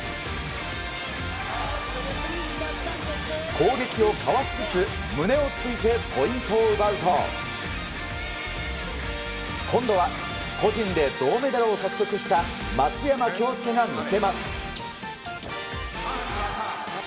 攻撃をかわしつつ胸を突いてポイントを奪うと今度は個人で銅メダルを獲得した松山恭助が見せます。